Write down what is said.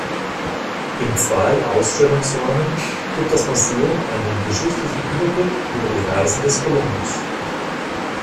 In zwei Ausstellungsräumen gibt das Museum einen geschichtlichen Überblick über die Reisen des Kolumbus.